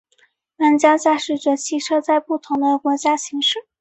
玩家驾驶着汽车在不同的国家行驶。